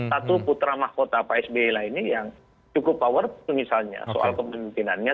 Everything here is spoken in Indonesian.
satu putra mahkota pak sbi lainnya yang cukup power misalnya soal kepemimpinannya